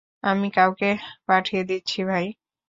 আমি কাউকে পাঠিয়ে দিচ্ছি, ভাই।